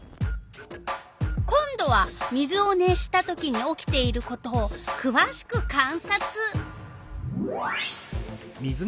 今度は水を熱したときに起きていることをくわしく観察。